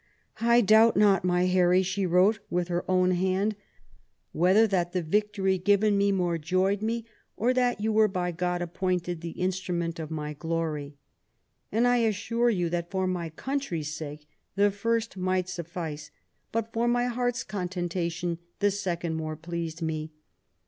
" I doubt not, my Harry/' she wrote with her own hand, "whether that the victory given me more joyed me, or that you were by God appointed the instrument of my glory. And I assure you that for my country's sake the first might suffice ; but, for my heart's contentation, the second more pleased me.